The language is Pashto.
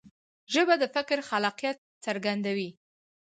ژبه د فکر خلاقیت څرګندوي.